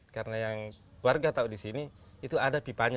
karena yang warga tahu di sini itu ada pipanya